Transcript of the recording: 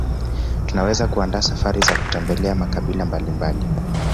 Tunaweza kuandaa safari za kutembelea makabila mbalimbali